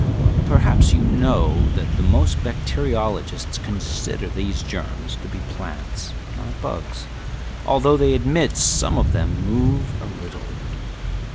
Perhaps you know that most bacteriologists consider these germs to be plants, not bugs, although they admit some of them move a little.